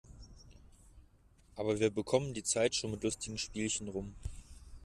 Aber wir bekommen die Zeit schon mit lustigen Spielchen rum.